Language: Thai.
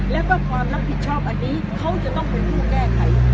แล้วก็ความรับผิดชอบอันนี้เขาจะต้องเป็นผู้แก้ไข